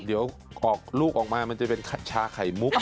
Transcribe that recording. เดี๋ยวออกลูกออกมามันจะเป็นชาไข่มุก